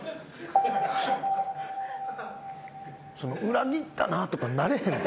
裏切ったなとかなれへんの？